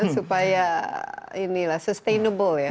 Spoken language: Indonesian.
supaya ini lah sustainable ya